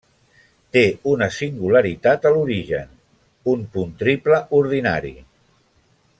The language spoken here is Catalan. Té una singularitat a l'origen, un punt triple ordinari.